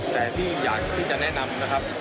แต่ที่อยากที่จะแนะนำนะครับ